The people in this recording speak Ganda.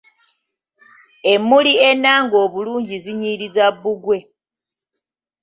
Emmuli ennange obulungi zinyiriza bbugwe.